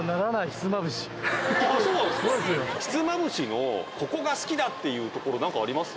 ひつまぶしのここが好きだっていうところ、なんかあります？